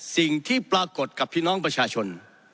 สิ่งที่ปรากฏกับพี่น้องประชาชน